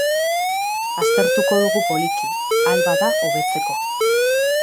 Aztertuko dugu poliki, ahal bada, hobetzeko.